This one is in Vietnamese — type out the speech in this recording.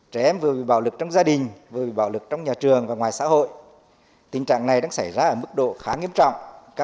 trẻ em vừa bị bạo lực trong gia đình vừa bị bạo lực trong nhà trường và ngoài xã hội tình trạng này đang xảy ra ở mức độ khá nghiêm trọng